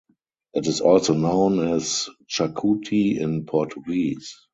It is also known as chacuti in Portuguese.